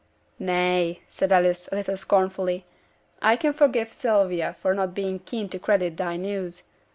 'Nay!' said Alice, a little scornfully. 'I can forgive Sylvia for not being over keen to credit thy news.